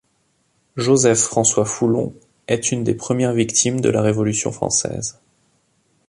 Joseph François Foullon est une des premières victimes de la Révolution française.